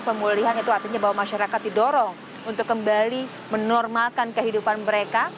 pemulihan itu artinya bahwa masyarakat didorong untuk kembali menormalkan kehidupan mereka